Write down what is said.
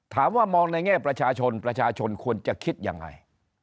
มองในแง่ประชาชนประชาชนควรจะคิดยังไง